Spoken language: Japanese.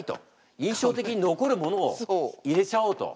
印象的に残るものを入れちゃおうと。